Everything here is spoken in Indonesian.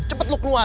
cepet lo keluar